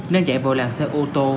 nên chạy vội làng xe ô tô